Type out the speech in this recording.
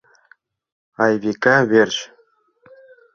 — Айвика верч?